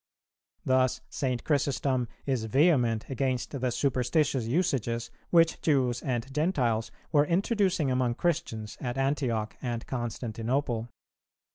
Thus St. Chrysostom is vehement against the superstitious usages which Jews and Gentiles were introducing among Christians at Antioch and Constantinople.